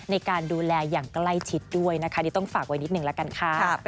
ในการดูแลอย่างใกล้ชิดด้วยนะคะนี่ต้องฝากไว้นิดหนึ่งแล้วกันค่ะ